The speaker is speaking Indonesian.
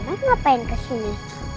om baik ngapain kesini